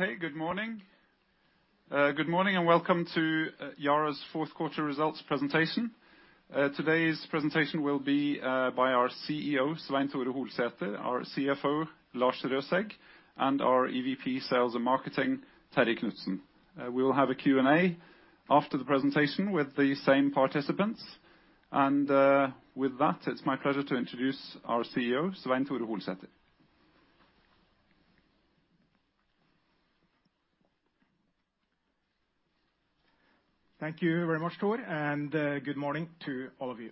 Okay, good morning. Good morning and welcome to Yara's fourth quarter results presentation. Today's presentation will be by our CEO, Svein Tore Holsether, our CFO, Lars Røsæg, and our EVP Sales and Marketing, Terje Knutsen. We will have a Q&A after the presentation with the same participants. With that, it's my pleasure to introduce our CEO, Svein Tore Holsether. Thank you very much, Thor, and good morning to all of you.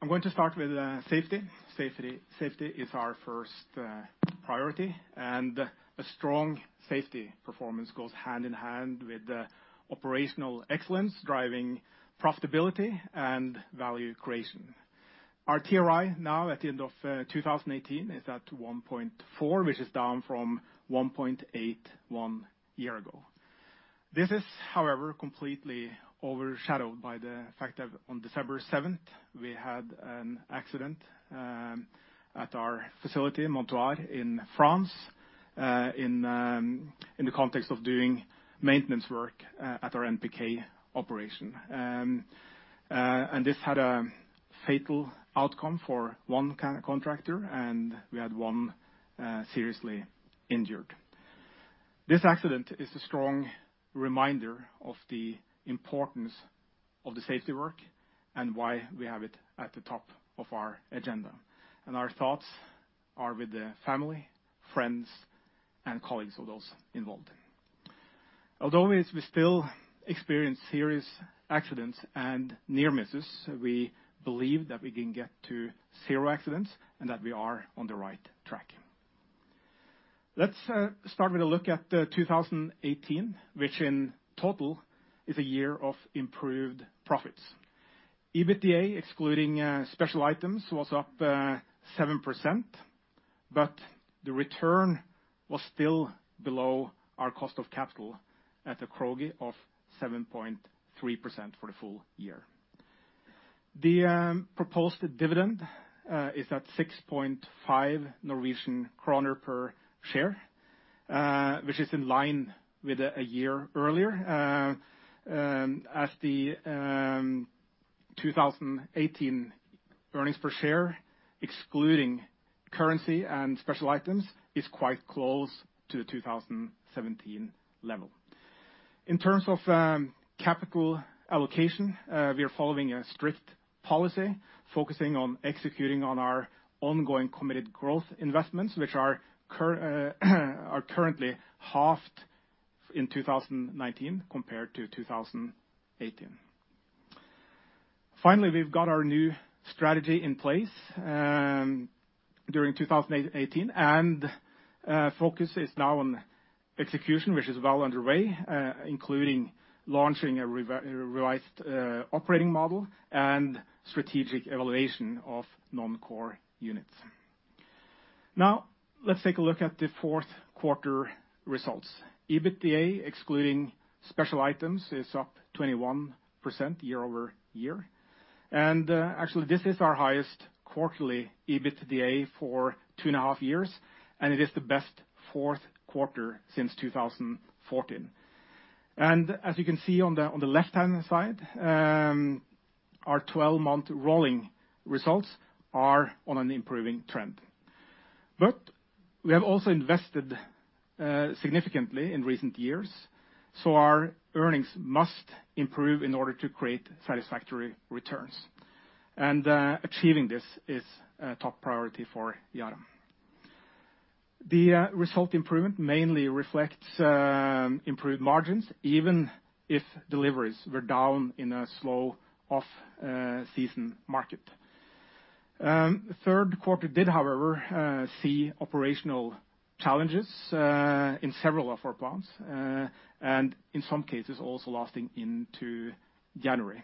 I'm going to start with safety. Safety is our first priority, and a strong safety performance goes hand-in-hand with operational excellence, driving profitability and value creation. Our TRI now at the end of 2018 is at 1.4, which is down from 1.8 one year ago. This is, however, completely overshadowed by the fact that on December 7th, we had an accident at our facility in Montoir, in France, in the context of doing maintenance work at our NPK operation. This had a fatal outcome for one contractor, and we had one seriously injured. Our thoughts are with the family, friends, and colleagues of those involved. Although we still experience serious accidents and near misses, we believe that we can get to zero accidents and that we are on the right track. Let's start with a look at 2018, which in total is a year of improved profits. EBITDA, excluding special items, was up 7%, but the return was still below our cost of capital at a CROGI of 7.3% for the full year. The proposed dividend is at 6.5 Norwegian kroner per share, which is in line with a year earlier, as the 2018 earnings per share, excluding currency and special items, is quite close to the 2017 level. In terms of capital allocation, we are following a strict policy focusing on executing on our ongoing committed growth investments, which are currently halved in 2019 compared to 2018. Finally, we've got our new strategy in place during 2018, and focus is now on execution, which is well underway, including launching a revised operating model and strategic evaluation of non-core units. Now, let's take a look at the fourth quarter results. EBITDA, excluding special items, is up 21% year-over-year. Actually, this is our highest quarterly EBITDA for two and a half years, and it is the best fourth quarter since 2014. As you can see on the left-hand side, our 12-month rolling results are on an improving trend. We have also invested significantly in recent years, so our earnings must improve in order to create satisfactory returns. Achieving this is a top priority for Yara. The result improvement mainly reflects improved margins, even if deliveries were down in a slow off-season market. Third quarter did, however, see operational challenges in several of our plants, and in some cases, also lasting into January,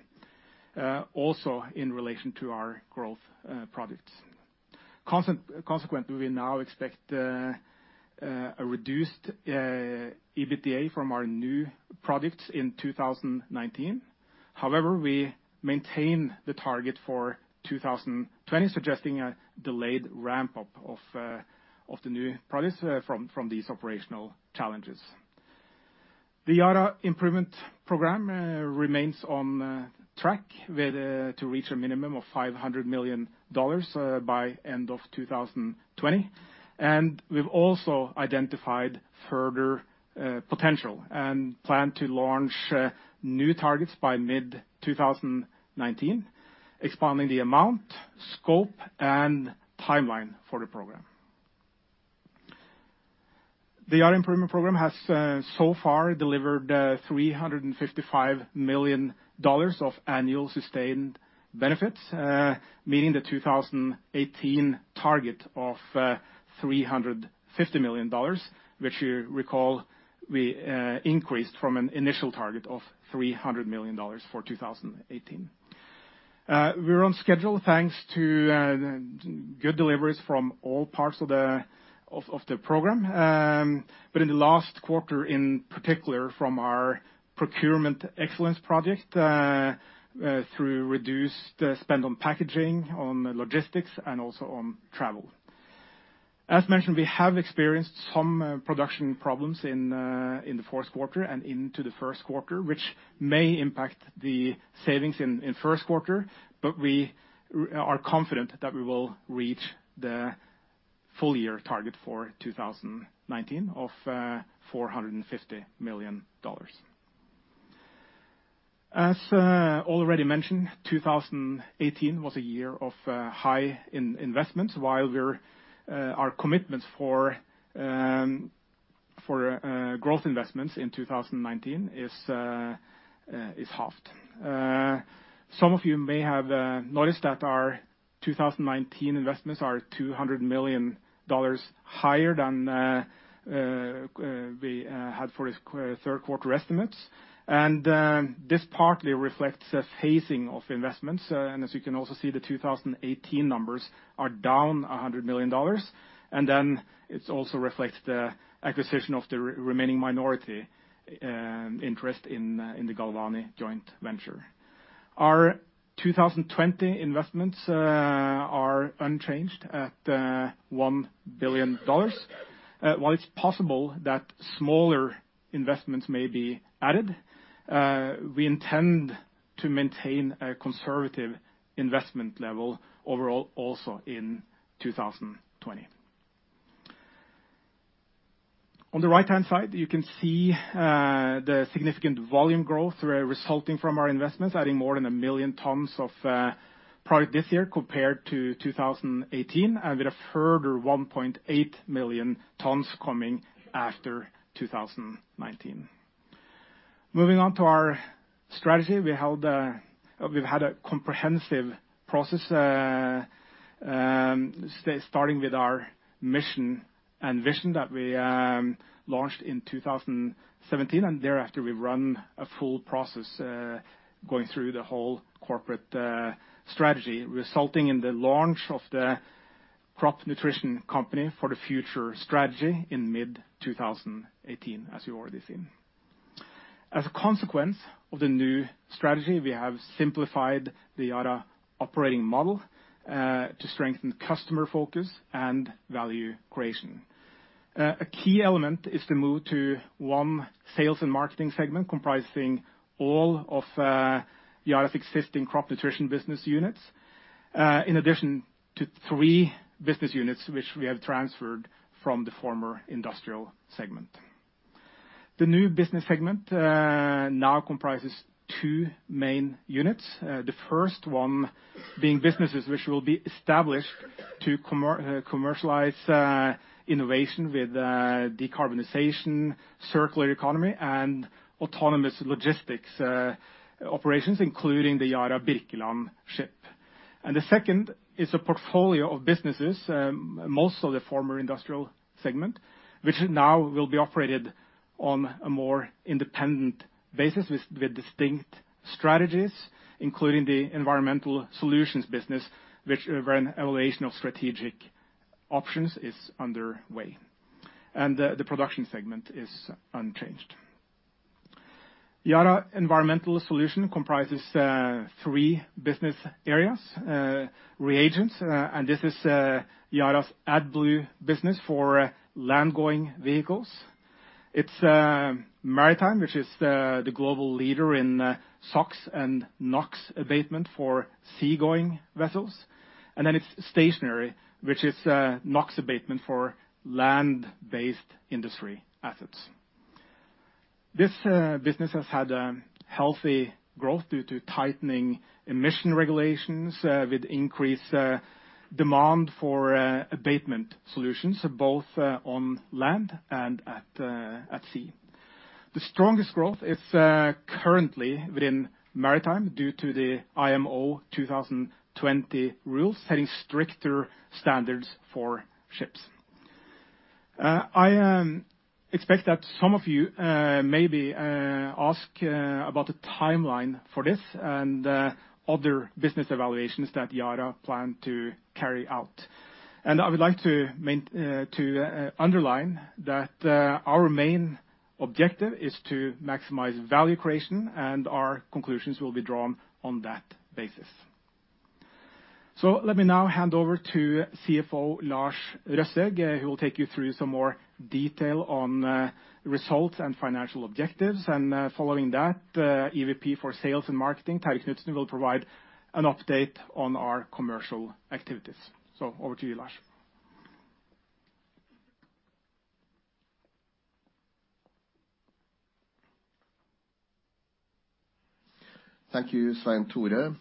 also in relation to our growth projects. Consequently, we now expect a reduced EBITDA from our new projects in 2019. However, we maintain the target for 2020, suggesting a delayed ramp-up of the new projects from these operational challenges. The Yara Improvement Program remains on track to reach a minimum of $500 million by end of 2020. We've also identified further potential and plan to launch new targets by mid 2019, expanding the amount, scope, and timeline for the program. The Yara Improvement Program has so far delivered $355 million of annual sustained benefits, meeting the 2018 target of $350 million, which you recall we increased from an initial target of $300 million for 2018. We're on schedule, thanks to good deliveries from all parts of the program. In the last quarter, in particular, from our procurement excellence project, through reduced spend on packaging, on logistics, and also on travel. As mentioned, we have experienced some production problems in the fourth quarter and into the first quarter, which may impact the savings in first quarter, but we are confident that we will reach the full-year target for 2019 of $450 million. As already mentioned, 2018 was a year of high investments while our commitments for growth investments in 2019 is halved. Some of you may have noticed that our 2019 investments are $200 million higher than we had for the third quarter estimates. This partly reflects a phasing of investments. As you can also see, the 2018 numbers are down $100 million. It also reflects the acquisition of the remaining minority interest in the Galvani joint venture. Our 2020 investments are unchanged at $1 billion. While it's possible that smaller investments may be added, we intend to maintain a conservative investment level overall also in 2020. On the right-hand side, you can see the significant volume growth resulting from our investments, adding more than a million tons of product this year compared to 2018, and with a further 1.8 million tons coming after 2019. Moving on to our strategy, we've had a comprehensive process, starting with our mission and vision that we launched in 2017, and thereafter, we've run a full process going through the whole corporate strategy, resulting in the launch of the Crop Nutrition Company for the Future strategy in mid-2018, as you've already seen. As a consequence of the new strategy, we have simplified the Yara operating model to strengthen customer focus and value creation. A key element is the move to one sales and marketing segment comprising all of Yara's existing crop nutrition business units, in addition to three business units, which we have transferred from the former industrial segment. The new business segment now comprises two main units. The first one being businesses which will be established to commercialize innovation with decarbonization, circular economy, and autonomous logistics operations, including the Yara Birkeland ship. The second is a portfolio of businesses, most of the former industrial segment, which now will be operated on a more independent basis with distinct strategies, including the environmental solutions business, where an evaluation of strategic options is underway. The production segment is unchanged. Yara Environmental Solutions comprises three business areas. Reagents, and this is Yara's AdBlue business for land-going vehicles. It's Maritime, which is the global leader in SOx and NOx abatement for seagoing vessels. It is Stationary, which is NOx abatement for land-based industry assets. This business has had a healthy growth due to tightening emission regulations with increased demand for abatement solutions, both on land and at sea. The strongest growth is currently within Maritime due to the IMO 2020 rules setting stricter standards for ships. I expect that some of you maybe ask about the timeline for this and other business evaluations that Yara plan to carry out. I would like to underline that our main objective is to maximize value creation, and our conclusions will be drawn on that basis. Let me now hand over to CFO Lars Røsæg, who will take you through some more detail on results and financial objectives. Following that, EVP for Sales and Marketing, Terje Knutsen, will provide an update on our commercial activities. Over to you, Lars. Thank you, Svein Tore.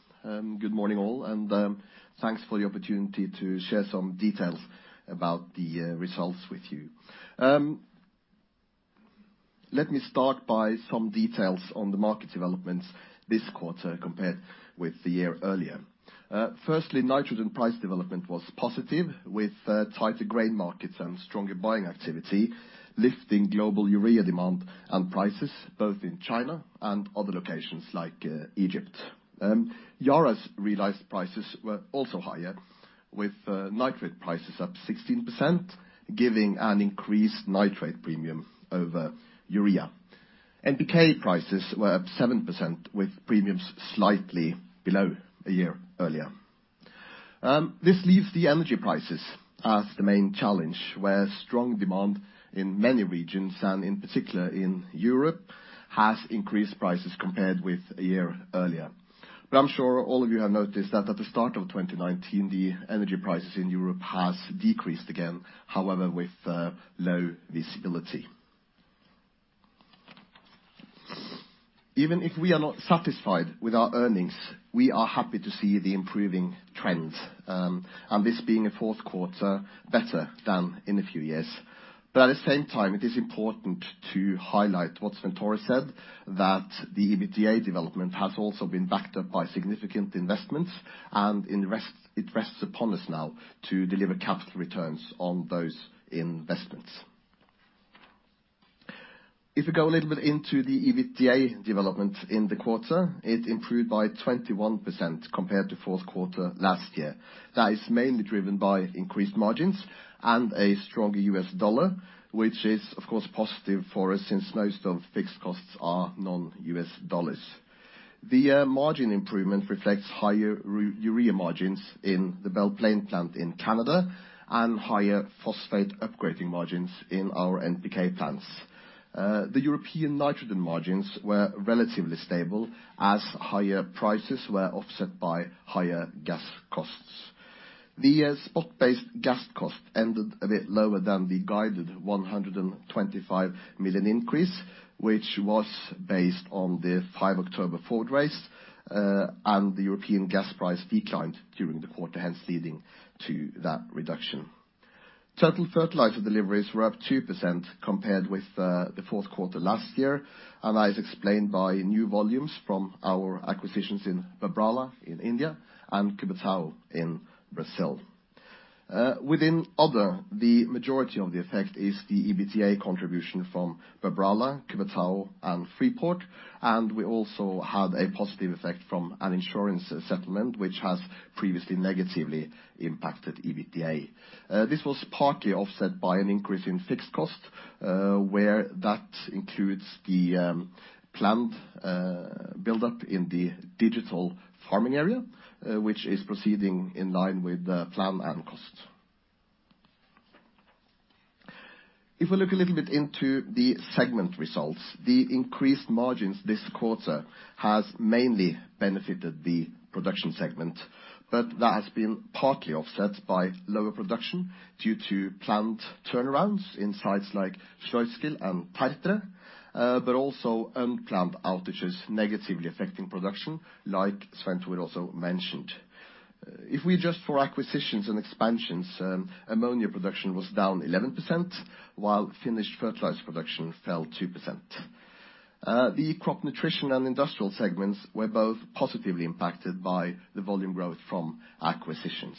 Good morning, all, and thanks for the opportunity to share some details about the results with you. Let me start by some details on the market developments this quarter compared with the year earlier. Firstly, nitrogen price development was positive with tighter grain markets and stronger buying activity, lifting global urea demand and prices both in China and other locations like Egypt. Yara's realized prices were also higher, with nitrate prices up 16%, giving an increased nitrate premium over urea. NPK prices were up 7%, with premiums slightly below a year earlier. This leaves the energy prices as the main challenge, where strong demand in many regions, and in particular in Europe, has increased prices compared with a year earlier. I'm sure all of you have noticed that at the start of 2019, the energy prices in Europe has decreased again, however, with low visibility. Even if we are not satisfied with our earnings, we are happy to see the improving trends, and this being a fourth quarter better than in a few years. At the same time, it is important to highlight what Svein Tore said, that the EBITDA development has also been backed up by significant investments, and it rests upon us now to deliver capital returns on those investments. If we go a little bit into the EBITDA development in the quarter, it improved by 21% compared to fourth quarter last year. That is mainly driven by increased margins and a stronger US dollar, which is, of course, positive for us since most of fixed costs are non-US dollars. The margin improvement reflects higher urea margins in the Belle Plaine plant in Canada and higher phosphate upgrading margins in our NPK plants. The European nitrogen margins were relatively stable as higher prices were offset by higher gas costs. The spot-based gas cost ended a bit lower than the guided 125 million increase, which was based on the October 5 forward raise. The European gas price declined during the quarter, hence leading to that reduction. Total fertilizer deliveries were up 2% compared with the fourth quarter last year, and that is explained by new volumes from our acquisitions in Babrala in India and Cubatão in Brazil. Within other, the majority of the effect is the EBITDA contribution from Babrala, Cubatão, and Freeport. We also had a positive effect from an insurance settlement, which has previously negatively impacted EBITDA. This was partly offset by an increase in fixed cost, where that includes the planned build-up in the digital farming area, which is proceeding in line with the plan and cost. If we look a little bit into the segment results, the increased margins this quarter has mainly benefited the production segment, but that has been partly offset by lower production due to planned turnarounds in sites like Sluiskil and Tertre, but also unplanned outages negatively affecting production, like Svein Tore also mentioned. If we adjust for acquisitions and expansions, ammonia production was down 11%, while finished fertilizer production fell 2%. The crop nutrition and industrial segments were both positively impacted by the volume growth from acquisitions.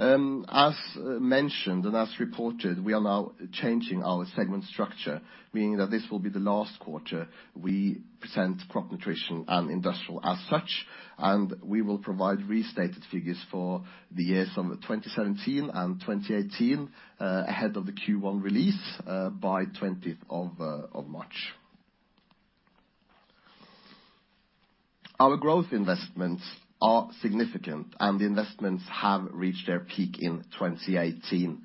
As mentioned and as reported, we are now changing our segment structure, meaning that this will be the last quarter we present crop nutrition and industrial as such, and we will provide restated figures for the years of 2017 and 2018 ahead of the Q1 release by 20th of March. Our growth investments are significant, and the investments have reached their peak in 2018.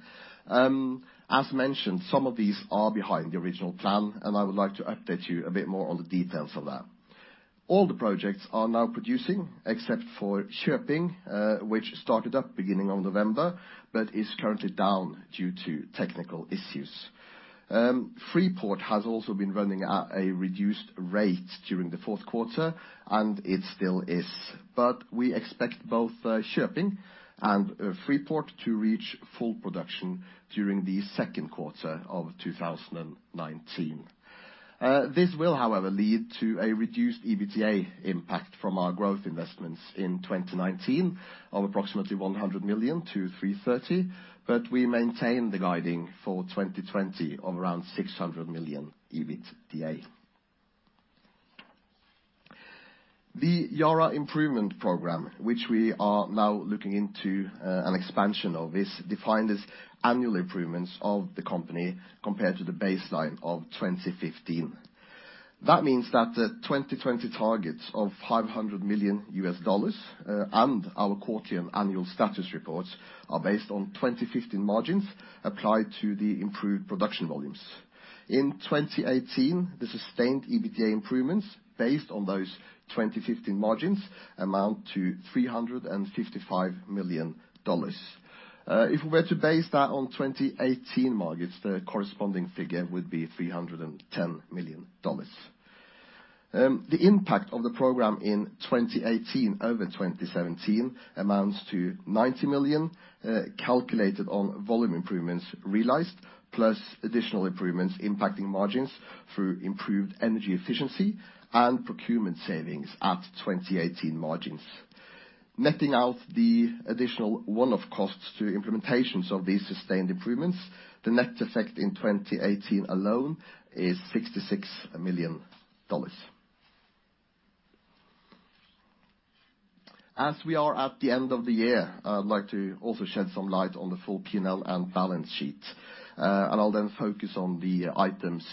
As mentioned, some of these are behind the original plan, and I would like to update you a bit more on the details of that. All the projects are now producing except for Köping, which started up beginning of November but is currently down due to technical issues. Freeport has also been running at a reduced rate during the fourth quarter, and it still is. We expect both Köping and Freeport to reach full production during the second quarter of 2019. This will, however, lead to a reduced EBITDA impact from our growth investments in 2019 of approximately 100 million-330 million, but we maintain the guiding for 2020 of around 600 million EBITDA. The Yara Improvement Program, which we are now looking into an expansion of, is defined as annual improvements of the company compared to the baseline of 2015. That means that the 2020 targets of $500 million and our quarterly and annual status reports are based on 2015 margins applied to the improved production volumes. In 2018, the sustained EBITDA improvements based on those 2015 margins amount to $355 million. If we were to base that on 2018 margins, the corresponding figure would be $310 million. The impact of the program in 2018 over 2017 amounts to $90 million, calculated on volume improvements realized, plus additional improvements impacting margins through improved energy efficiency and procurement savings at 2018 margins. Netting out the additional one-off costs to implementations of these sustained improvements, the net effect in 2018 alone is $66 million. As we are at the end of the year, I'd like to also shed some light on the full P&L and balance sheet. I'll then focus on the items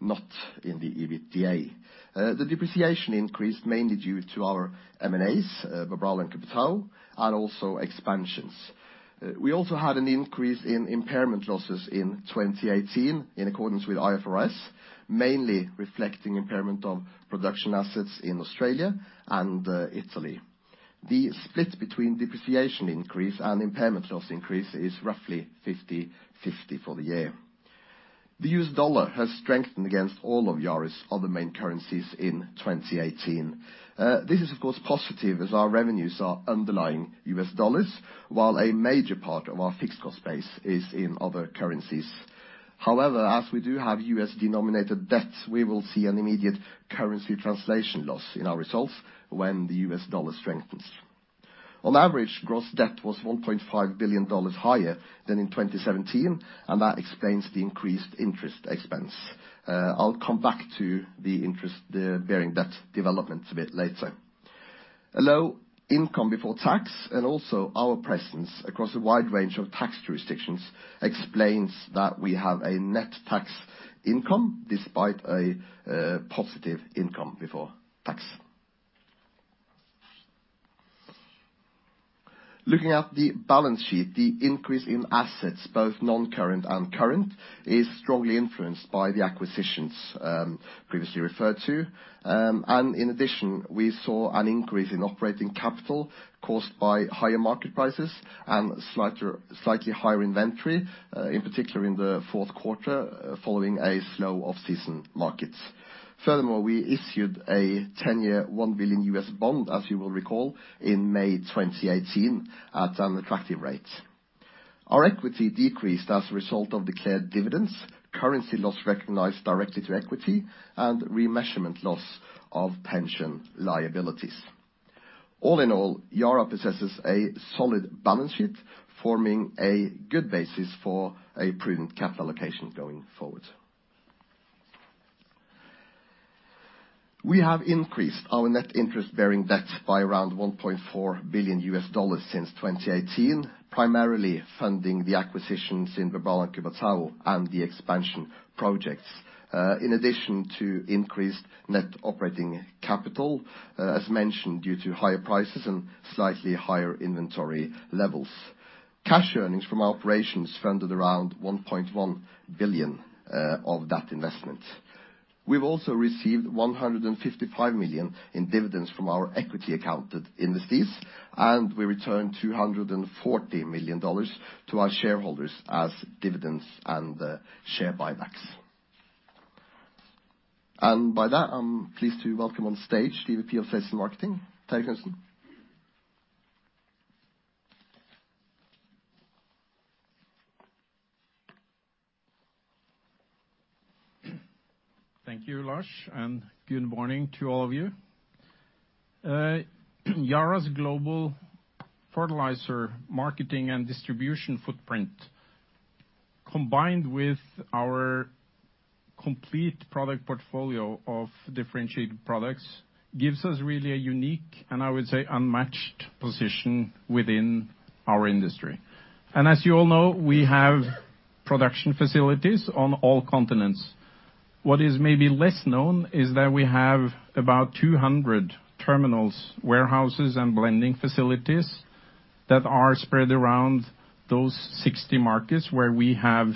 not in the EBITDA. The depreciation increased mainly due to our M&As, Babrala and Cubatão, and also expansions. We also had an increase in impairment losses in 2018 in accordance with IFRS, mainly reflecting impairment of production assets in Australia and Italy. The split between depreciation increase and impairment loss increase is roughly 50/50 for the year. The U.S. dollar has strengthened against all of Yara's other main currencies in 2018. This is of course positive as our revenues are underlying U.S. dollars, while a major part of our fixed cost base is in other currencies. However, as we do have U.S. denominated debts, we will see an immediate currency translation loss in our results when the U.S. dollar strengthens. On average, gross debt was $1.5 billion higher than in 2017, and that explains the increased interest expense. I'll come back to the interest, the bearing debt development a bit later. A low income before tax and also our presence across a wide range of tax jurisdictions explains that we have a net tax income despite a positive income before tax. Looking at the balance sheet, the increase in assets, both non-current and current, is strongly influenced by the acquisitions, previously referred to. In addition, we saw an increase in operating capital caused by higher market prices and slightly higher inventory, in particular in the fourth quarter, following a slow off-season market. Furthermore, we issued a 10-year $1 billion bond, as you will recall, in May 2018 at an attractive rate. Our equity decreased as a result of declared dividends, currency loss recognized directly to equity, and remeasurement loss of pension liabilities. All in all, Yara possesses a solid balance sheet, forming a good basis for a prudent capital allocation going forward. We have increased our net interest bearing debt by around $1.4 billion since 2018, primarily funding the acquisitions in Bunge and Cubatão and the expansion projects. In addition to increased net operating capital, as mentioned, due to higher prices and slightly higher inventory levels. Cash earnings from operations funded around $1.1 billion of that investment. We have also received $155 million in dividends from our equity accounted investees, and we returned $240 million to our shareholders as dividends and share buybacks. By that, I am pleased to welcome on stage the EVP Sales & Marketing, Terje Knutsen. Thank you, Lars, and good morning to all of you. Yara's global fertilizer marketing and distribution footprint, combined with our complete product portfolio of differentiated products, gives us really a unique, and I would say, unmatched position within our industry. As you all know, we have production facilities on all continents. What is maybe less known is that we have about 200 terminals, warehouses, and blending facilities that are spread around those 60 markets where we have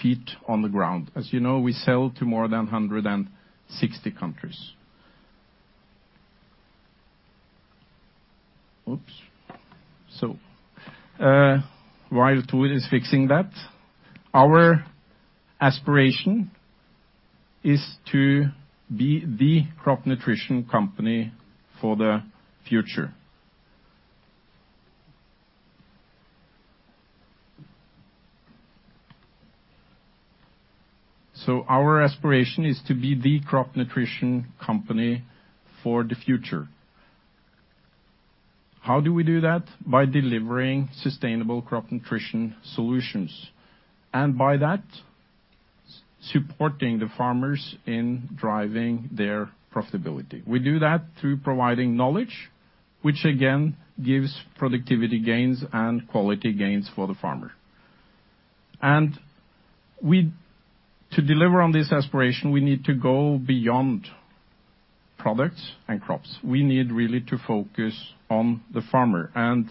feet on the ground. As you know, we sell to more than 160 countries. Oops. While [Thor] is fixing that, our aspiration is to be the Crop Nutrition Company for the Future. Our aspiration is to be the Crop Nutrition Company for the Future. How do we do that? By delivering sustainable crop nutrition solutions, and by that, supporting the farmers in driving their profitability. We do that through providing knowledge, which again gives productivity gains and quality gains for the farmer. To deliver on this aspiration, we need to go beyond products and crops. We need really to focus on the farmer and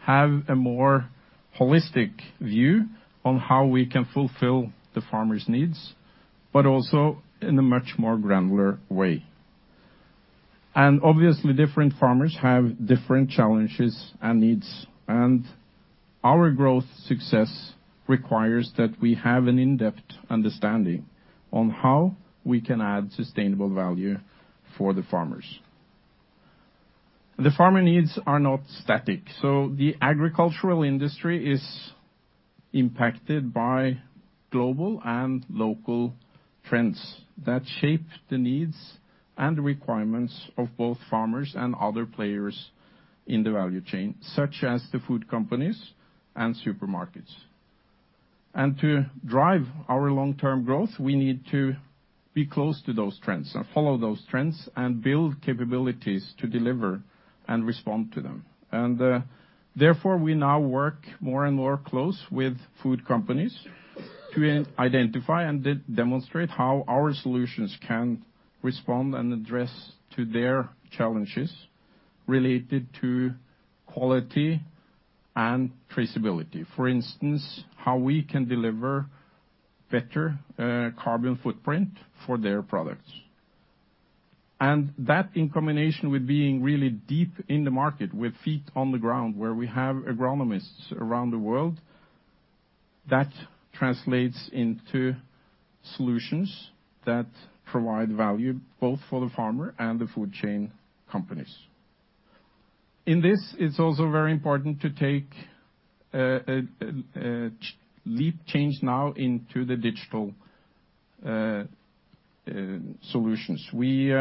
have a more holistic view on how we can fulfill the farmer's needs, but also in a much more granular way. Obviously, different farmers have different challenges and needs, and our growth success requires that we have an in-depth understanding on how we can add sustainable value for the farmers. The farmer needs are not static, the agricultural industry is impacted by global and local trends that shape the needs and requirements of both farmers and other players in the value chain, such as the food companies and supermarkets. To drive our long-term growth, we need to be close to those trends and follow those trends and build capabilities to deliver and respond to them. Therefore, we now work more and more close with food companies to identify and demonstrate how our solutions can respond and address to their challenges related to quality and traceability. For instance, how we can deliver better carbon footprint for their products. That, in combination with being really deep in the market with feet on the ground, where we have agronomists around the world, that translates into solutions that provide value both for the farmer and the food chain companies. In this, it's also very important to take a leap change now into the digital solutions. We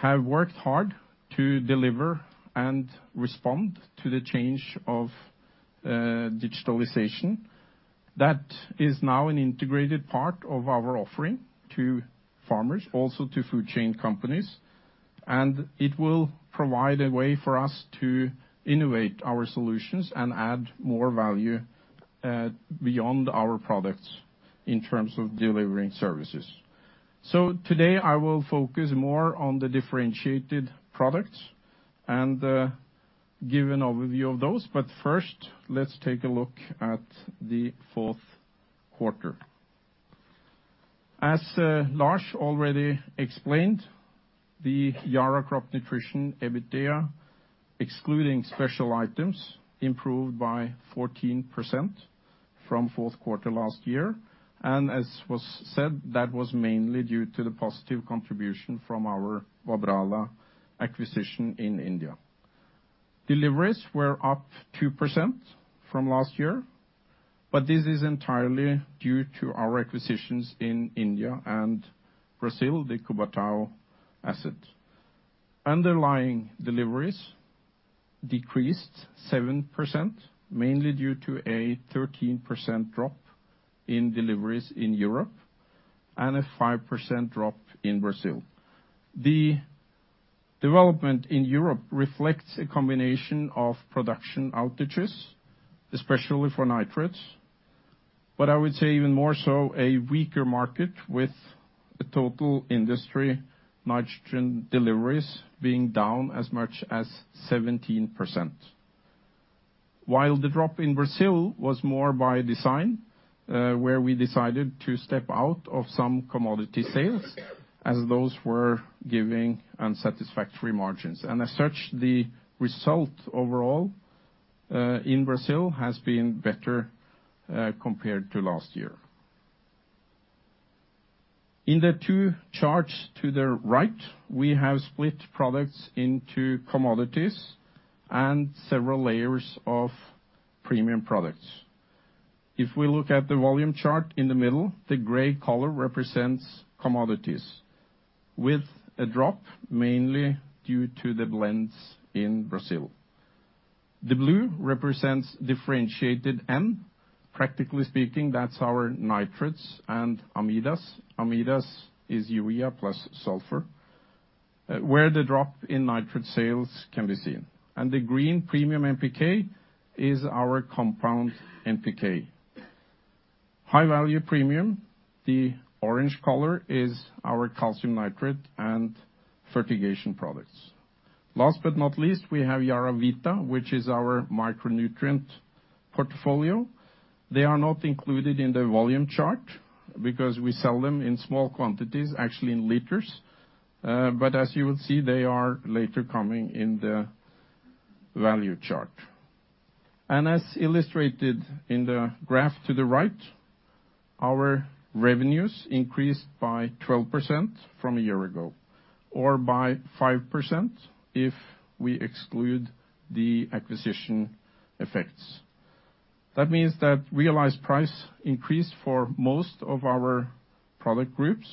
have worked hard to deliver and respond to the change of digitalization. That is now an integrated part of our offering to farmers, also to food chain companies, and it will provide a way for us to innovate our solutions and add more value beyond our products in terms of delivering services. Today I will focus more on the differentiated products and give an overview of those. First, let's take a look at the fourth quarter. As Lars already explained, the Yara Crop Nutrition EBITDA, excluding special items, improved by 14% from fourth quarter last year, as was said, that was mainly due to the positive contribution from our Babrala acquisition in India. Deliveries were up 2% from last year, this is entirely due to our acquisitions in India and Brazil, the Cubatão asset. Underlying deliveries decreased 7%, mainly due to a 13% drop in deliveries in Europe and a 5% drop in Brazil. The development in Europe reflects a combination of production outages, especially for nitrates. I would say even more so a weaker market, with the total industry nitrogen deliveries being down as much as 17%. The drop in Brazil was more by design, where we decided to step out of some commodity sales as those were giving unsatisfactory margins. As such, the result overall in Brazil has been better compared to last year. In the two charts to the right, we have split products into commodities and several layers of premium products. If we look at the volume chart in the middle, the gray color represents commodities with a drop, mainly due to the blends in Brazil. The blue represents differentiated N, practically speaking, that's our nitrates and AMIDAS. AMIDAS is urea plus sulfur, where the drop in nitrate sales can be seen. The green premium NPK is our compound NPK. High-value premium, the orange color, is our calcium nitrate and fertigation products. Last but not least, we have YaraVita, which is our micronutrient portfolio. They are not included in the volume chart because we sell them in small quantities, actually in liters. As you will see, they are later coming in the value chart. As illustrated in the graph to the right, our revenues increased by 12% from a year ago or by 5% if we exclude the acquisition effects. That means that realized price increased for most of our product groups,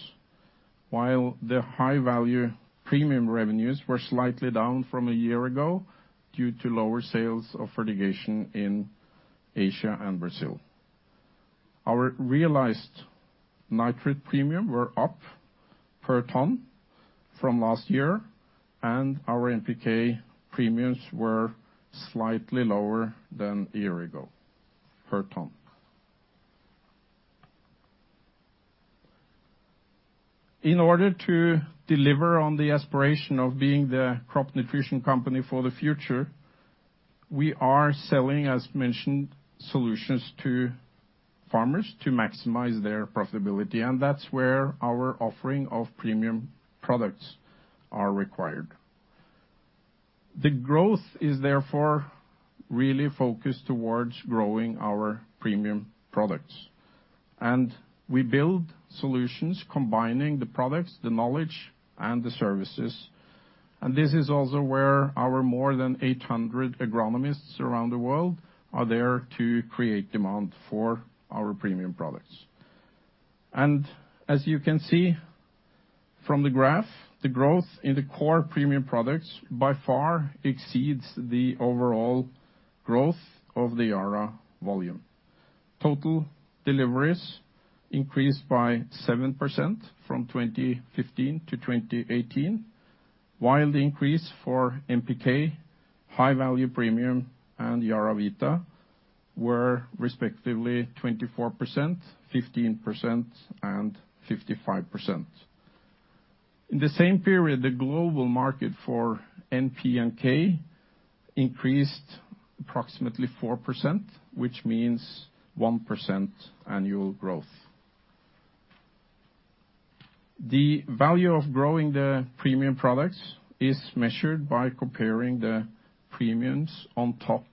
while the high-value premium revenues were slightly down from a year ago due to lower sales of fertigation in Asia and Brazil. Our realized nitrate premium were up per ton from last year, NPK premiums were slightly lower than a year ago per ton. In order to deliver on the aspiration of being the Crop Nutrition Company for the Future, we are selling, as mentioned, solutions to farmers to maximize their profitability, and that's where our offering of premium products are required. The growth is therefore really focused towards growing our premium products, and we build solutions combining the products, the knowledge, and the services. This is also where our more than 800 agronomists around the world are there to create demand for our premium products. As you can see from the graph, the growth in the core premium products by far exceeds the overall growth of the Yara volume. Total deliveries increased by 7% from 2015 to 2018, while the increase for NPK, high value premium, and YaraVita were respectively 24%, 15%, and 55%. In the same period, the global market for N, P, and K increased approximately 4%, which means 1% annual growth. The value of growing the premium products is measured by comparing the premiums on top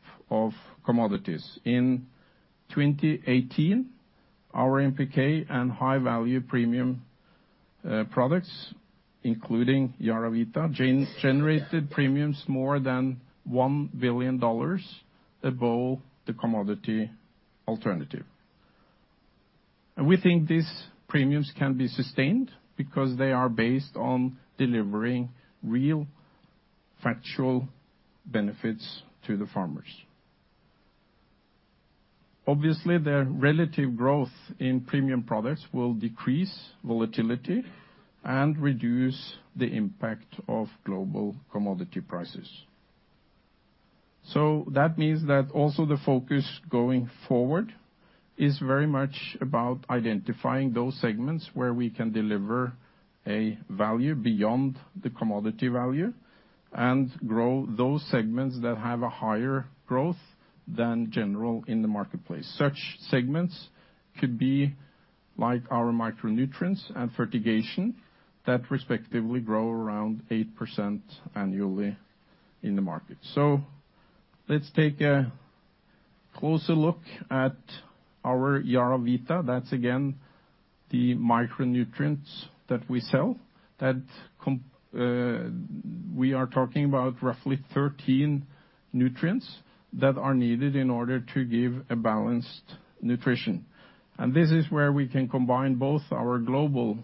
of commodities. In 2018, our NPK and high value premium products, including YaraVita, generated premiums more than NOK 1 billion above the commodity alternative. We think these premiums can be sustained because they are based on delivering real factual benefits to the farmers. Obviously, the relative growth in premium products will decrease volatility and reduce the impact of global commodity prices. That means that also the focus going forward is very much about identifying those segments where we can deliver a value beyond the commodity value and grow those segments that have a higher growth than general in the marketplace. Such segments could be like our micronutrients and fertigation that respectively grow around 8% annually in the market. Let's take a closer look at our YaraVita. That's again, the micronutrients that we sell, we are talking about roughly 13 nutrients that are needed in order to give a balanced nutrition. This is where we can combine both our global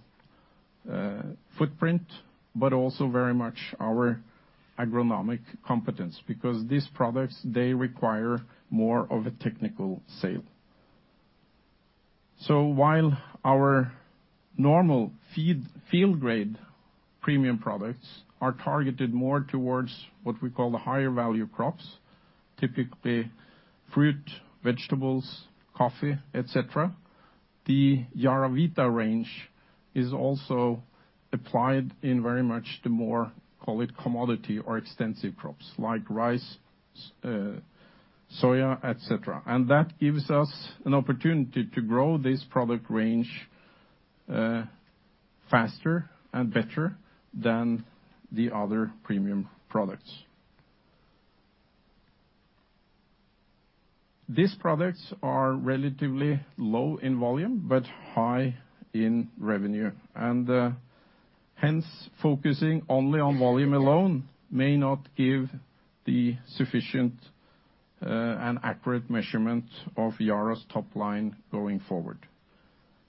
footprint, but also very much our agronomic competence because these products, they require more of a technical sale. While our normal field-grade premium products are targeted more towards what we call the higher value crops, typically fruit, vegetables, coffee, et cetera, the YaraVita range is also applied in very much the more, call it commodity or extensive crops like rice, soya, et cetera. That gives us an opportunity to grow this product range faster and better than the other premium products. These products are relatively low in volume, but high in revenue. Hence focusing only on volume alone may not give the sufficient and accurate measurement of Yara's top line going forward.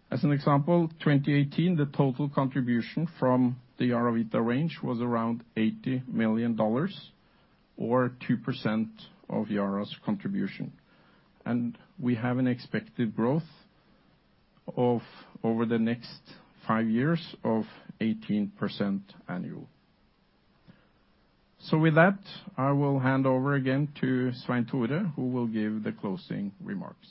As an example, 2018, the total contribution from the YaraVita range was around NOK 80 million or 2% of Yara's contribution. We have an expected growth of over the next five years of 18% annual. With that, I will hand over again to Svein Tore, who will give the closing remarks.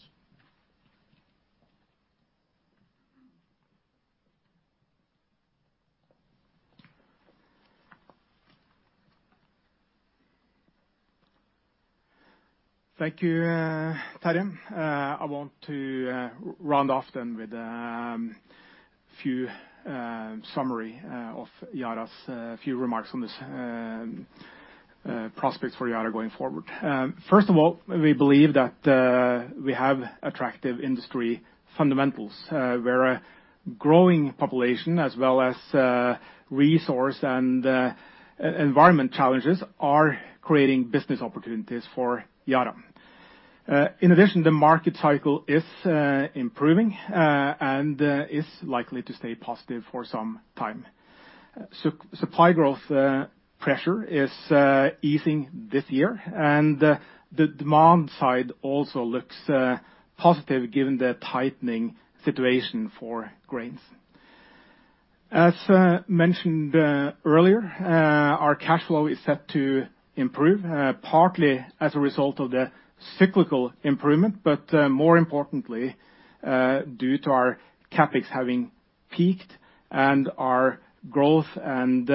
Thank you, Terje. I want to round off then with a few summary of a few remarks on this prospects for Yara going forward. First of all, we believe that we have attractive industry fundamentals, where a growing population as well as resource and environment challenges are creating business opportunities for Yara. In addition, the market cycle is improving, and is likely to stay positive for some time. Supply growth pressure is easing this year, and the demand side also looks positive given the tightening situation for grains. As mentioned earlier, our cash flow is set to improve, partly as a result of the cyclical improvement, but more importantly, due to our CapEx having peaked and our growth and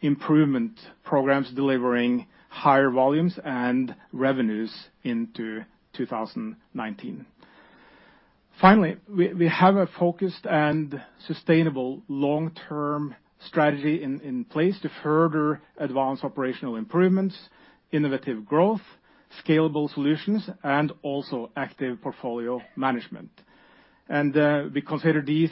improvement programs delivering higher volumes and revenues into 2019. Finally, we have a focused and sustainable long-term strategy in place to further advance operational improvements, innovative growth, scalable solutions, and also active portfolio management. We consider these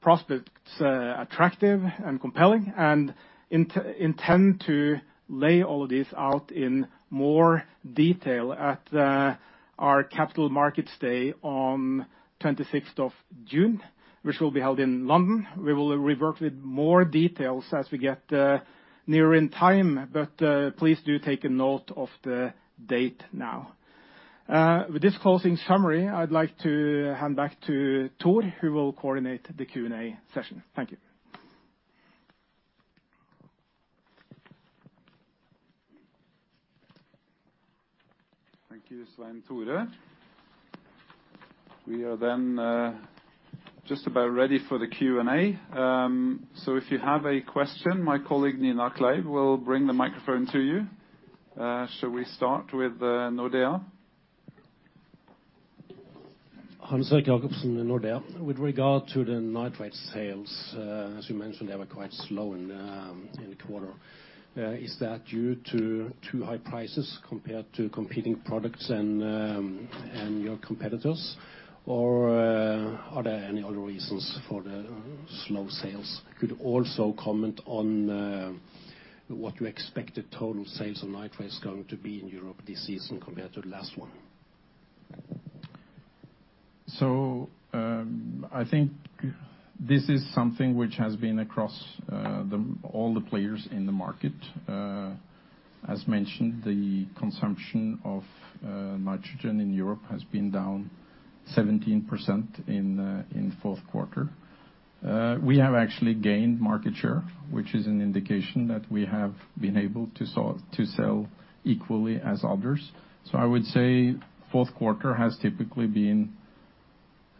Prospects are attractive and compelling, and intend to lay all this out in more detail at our capital markets day on 26th of June, which will be held in London. We will revert with more details as we get nearer in time, but please do take a note of the date now. With this closing summary, I'd like to hand back to Thor, who will coordinate the Q&A session. Thank you. Thank you, Svein Tore. We are then just about ready for the Q&A. If you have a question, my colleague, Nina Kleiv, will bring the microphone to you. Shall we start with Nordea? Hans-Erik Jacobsen, Nordea. With regard to the nitrates sales, as you mentioned, they were quite slow in the quarter. Is that due to too high prices compared to competing products and your competitors, or are there any other reasons for the slow sales? Could you also comment on what you expect the total sales of nitrates going to be in Europe this season compared to the last one? I think this is something which has been across all the players in the market. As mentioned, the consumption of nitrogen in Europe has been down 17% in fourth quarter. We have actually gained market share, which is an indication that we have been able to sell equally as others. I would say fourth quarter has typically been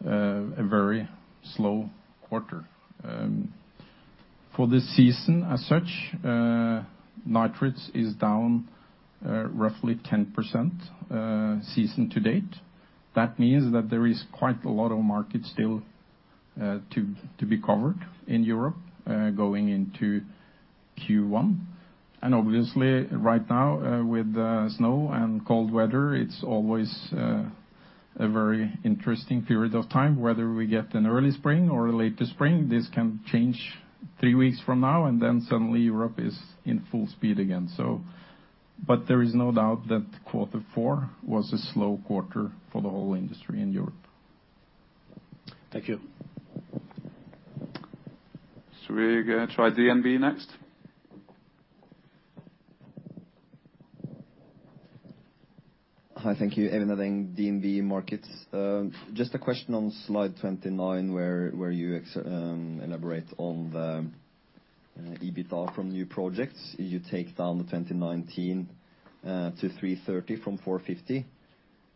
a very slow quarter. For this season, as such, nitrates is down roughly 10% season to date. That means that there is quite a lot of market still to be covered in Europe going into Q1. Obviously, right now, with snow and cold weather, it's always a very interesting period of time whether we get an early spring or a later spring. This can change three weeks from now, suddenly Europe is in full speed again, so. There is no doubt that quarter four was a slow quarter for the whole industry in Europe. Thank you. Should we try DNB next? Hi, thank you. Eivind Vadeng, DNB Markets. Just a question on slide 29, where you elaborate on the EBITDA from new projects. You take down the 2019 to 330 from 450,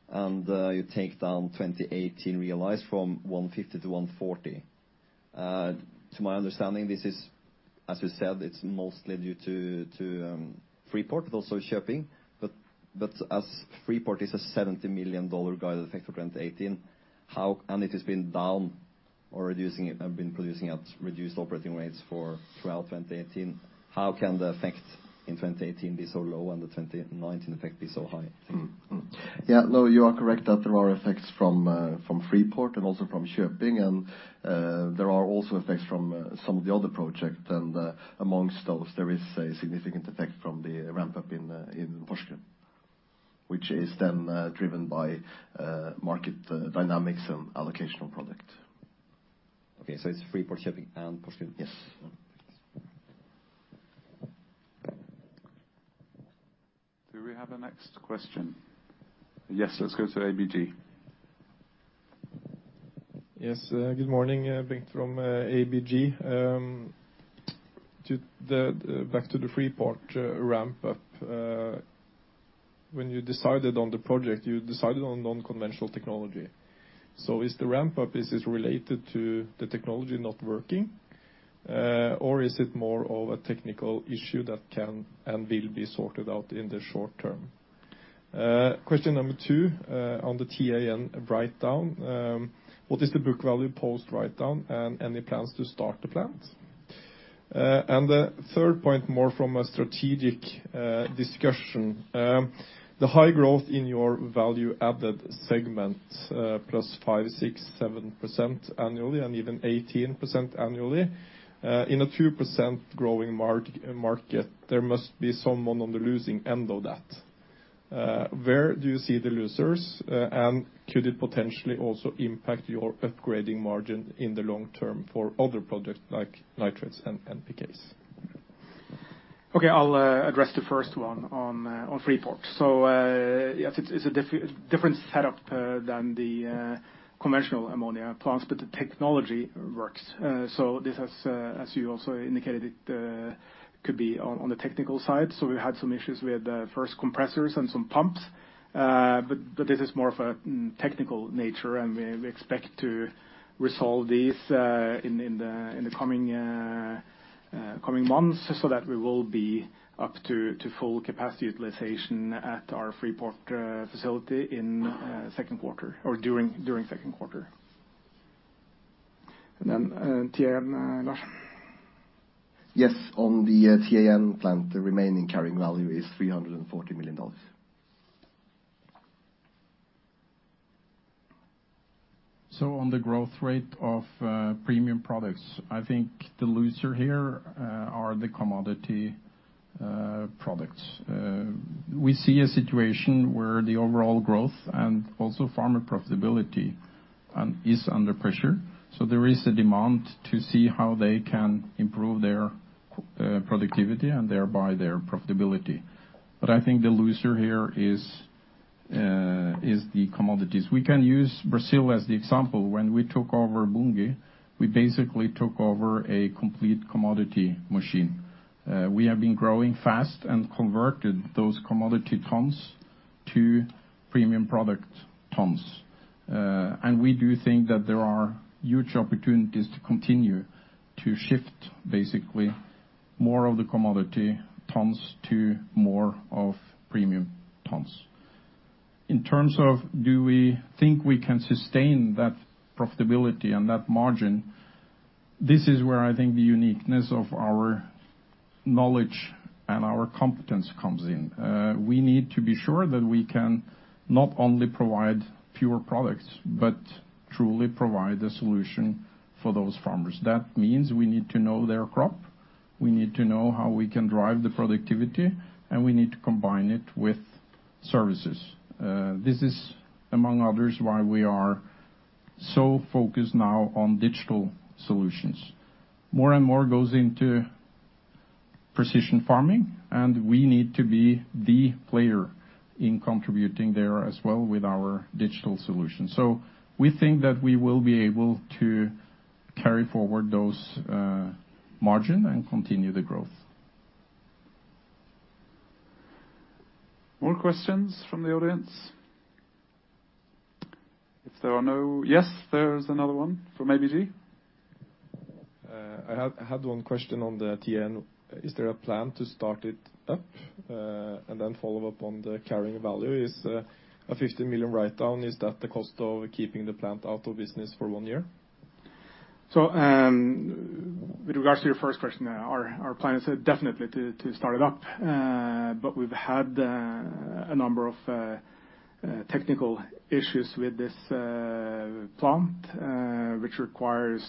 and you take down 2018 realized from 150 to 140. To my understanding, this is, as you said, it's mostly due to Freeport, but also Köping. But as Freeport is a NOK 70 million guided effect for 2018, and it has been down or been producing at reduced operating rates throughout 2018, how can the effect in 2018 be so low and the 2019 effect be so high? Yeah. No, you are correct that there are effects from Freeport and also from Köping, and there are also effects from some of the other project. Amongst those, there is a significant effect from the ramp-up in Porsgrunn, which is then driven by market dynamics and allocation of product. Okay, it's Freeport, Köping, and Porsgrunn. Yes. Do we have a next question? Yes, let's go to ABG. Yes, good morning. Bengt from ABG. Back to the Freeport ramp-up. When you decided on the project, you decided on non-conventional technology. Is the ramp-up, is it related to the technology not working? Is it more of a technical issue that can and will be sorted out in the short term? Question number two, on the TAN write-down. What is the book value post write-down, and any plans to start the plant? The third point, more from a strategic discussion. The high growth in your value-added segment, +5%, 6%, 7% annually, and even 18% annually. In a 2% growing market, there must be someone on the losing end of that. Where do you see the losers, and could it potentially also impact your upgrading margin in the long term for other products like nitrates and PKs? Okay, I'll address the first one on Freeport. Yes, it's a different setup than the conventional ammonia plants, but the technology works. This has, as you also indicated, it could be on the technical side. We had some issues with first compressors and some pumps. This is more of a technical nature, and we expect to resolve these in the coming months so that we will be up to full capacity utilization at our Freeport facility in second quarter or during second quarter. TAN, Lars. Yes. On the TAN plant, the remaining carrying value is $340 million. On the growth rate of premium products, I think the loser here are the commodity products. We see a situation where the overall growth and also farmer profitability is under pressure. There is a demand to see how they can improve their productivity and thereby their profitability. I think the loser here is the commodities. We can use Brazil as the example. When we took over Bunge, we basically took over a complete commodity machine. We have been growing fast and converted those commodity tons to premium product tons. We do think that there are huge opportunities to continue to shift basically more of the commodity tons to more of premium tons. In terms of do we think we can sustain that profitability and that margin? This is where I think the uniqueness of our knowledge and our competence comes in. We need to be sure that we can not only provide pure products but truly provide a solution for those farmers. That means we need to know their crop, we need to know how we can drive the productivity, and we need to combine it with services. This is, among others, why we are so focused now on digital solutions. More and more goes into precision farming, and we need to be the player in contributing there as well with our digital solution. We think that we will be able to carry forward those margin and continue the growth. More questions from the audience? Yes, there is another one from ABG. I had one question on the TAN. Is there a plan to start it up? Follow up on the carrying value, is a 50 million write-down, is that the cost of keeping the plant out of business for one year? With regards to your first question, our plan is definitely to start it up. We've had a number of technical issues with this plant, which requires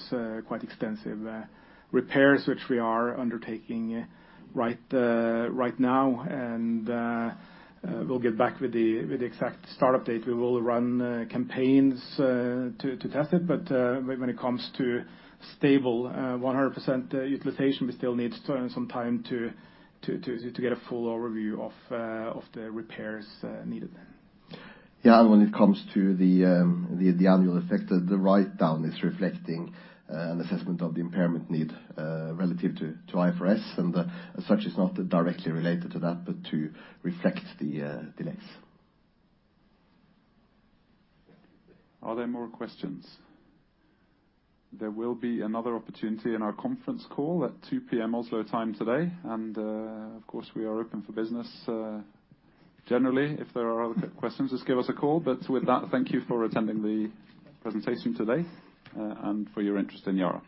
quite extensive repairs, which we are undertaking right now. We'll get back with the exact start-up date. We will run campaigns to test it. When it comes to stable 100% utilization, we still need some time to get a full overview of the repairs needed. Yeah, when it comes to the annual effect, the write-down is reflecting an assessment of the impairment need relative to IFRS and as such is not directly related to that, but to reflect the delays. Are there more questions? There will be another opportunity in our conference call at 2:00 P.M. Oslo time today. Of course, we are open for business generally. If there are other questions, just give us a call. With that, thank you for attending the presentation today and for your interest in Yara.